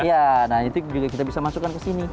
iya nah itu juga kita bisa masukkan ke sini